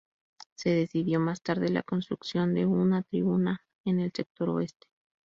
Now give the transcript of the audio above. Se decidió más tarde la construcción de una tribuna en el Sector Oeste.